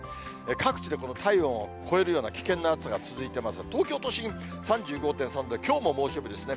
各地でこの体温を超えるような危険な暑さが続いてますが、東京都心３５．３度、きょうも猛暑日ですね。